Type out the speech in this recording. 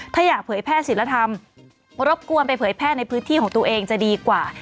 ถ้าอยากเผยแพร่ศิลธรรมรบกวนไปเผยแพร่ในพื้นที่ของตัวเองจะดีกว่า